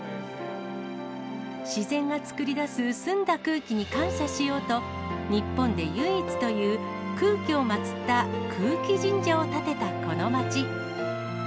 自然が作り出す澄んだ空気に感謝しようと、日本で唯一という空気を祭った空気神社を建てたこの町。